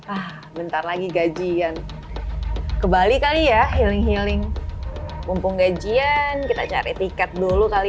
ah bentar lagi gajian ke bali kali ya healing healing mumpung gajian kita cari tiket dulu kali